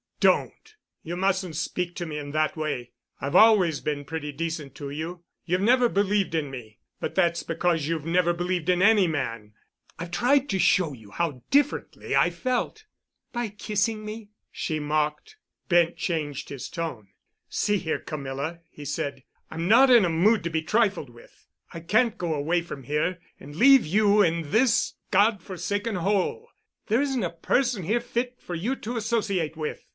"Don't! You mustn't speak to me in that way. I've always been pretty decent to you. You've never believed in me, but that's because you've never believed in any man. I've tried to show you how differently I felt——" "By kissing me?" she mocked scornfully. Bent changed his tone. "See here, Camilla," he said, "I'm not in a mood to be trifled with. I can't go away from here and leave you in this God forsaken hole. There isn't a person here fit for you to associate with.